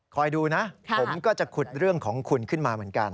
ดูนะผมก็จะขุดเรื่องของคุณขึ้นมาเหมือนกัน